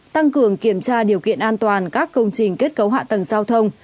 tăng cường kiểm tra điều kiện an toàn các công trình kết cấu hạ tầng giao thông